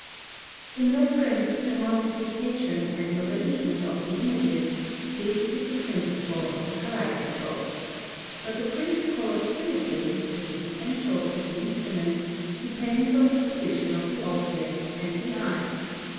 In reference to the multiplication and arrangement of the images, this is the principle of the kaleidoscope ; but the principle of symmetry, which is essential to the instrument, depends on the position of the object and the eye.